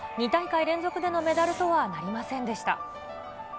２大会連続のメダルとはなりませんでした。